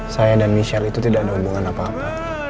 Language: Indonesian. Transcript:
saya dan michelle itu tidak ada hubungan apa apa